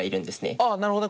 ああなるほどね。